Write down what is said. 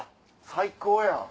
最高やん。